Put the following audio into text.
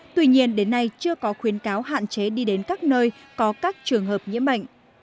tuy nhiên đến nay chưa có khuyến cáo hạn chế đi đến các nơi có các trường hợp nhiễm bệnh